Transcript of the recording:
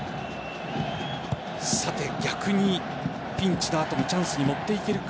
さて、逆にピンチの後にチャンスに持っていけるか。